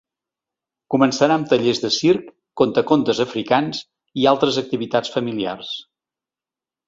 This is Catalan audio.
Començarà amb tallers de circ, contacontes africans i altres activitats familiars.